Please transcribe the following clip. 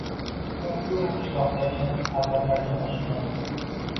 Chunki u qishlogʻidagi tadbirlarga qoʻshilmaydi